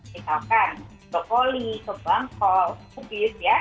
misalkan brokoli kebangkol kukis ya